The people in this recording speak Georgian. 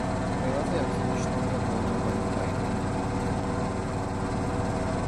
ყველაზე აღსანიშნავია პოემა „ვალენტაინი“.